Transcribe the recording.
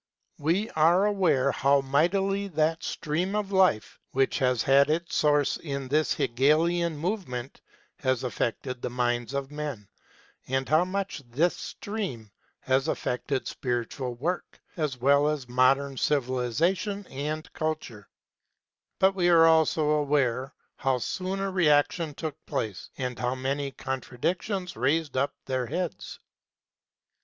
We are aware how mightily that stream of life which has had its source in this Hegelian movement has affected the minds of men, and how much this stream has affected spiritual work as well as modern civilisation and culture; but we are also aware how soon a reaction took place and how many contradictions raised up their heads.